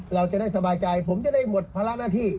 เราจะได้สบายใจผมจะได้หมดภาระหน้าที่